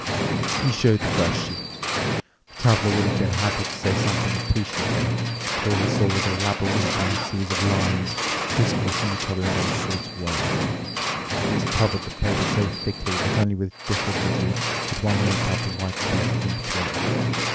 He showed the first sheet. The Traveler would have been happy to say something appreciative, but all he saw was a labyrinthine series of lines, criss crossing each other in all sort of ways. These covered the paper so thickly that only with difficulty could one make out the white spaces in between.